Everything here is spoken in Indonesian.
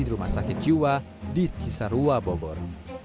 di rumah sakit jiwa di cisarua bogor